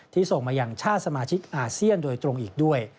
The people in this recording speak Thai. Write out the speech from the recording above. ส่งมาอย่างชาติสมาชิกอาเซียนโดยตรงอีกด้วย